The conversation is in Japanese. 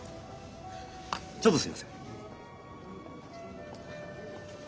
ちょっとすいません。